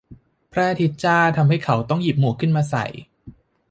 พระอาทิตย์จ้าทำให้เขาต้องหยิบหมวกขึ้นมาใส่